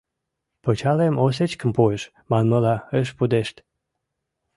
Пычалем осечкым пуыш, манмыла, ыш пудешт...